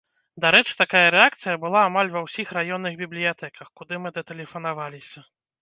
Дарэчы, такая рэакцыя была амаль ва ўсіх раённых бібліятэках, куды мы датэлефанаваліся.